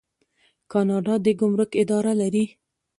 کاناډا د ګمرک اداره لري.